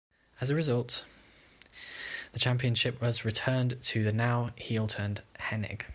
As a result, the championship was returned to the now heel-turned Hennig.